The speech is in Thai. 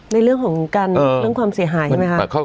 ในเรื่องของการเรื่องความเสียหายใช่ไหมคะ